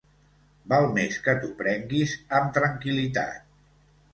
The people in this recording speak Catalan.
Val més que t'ho prenguis amb tranquil·litat.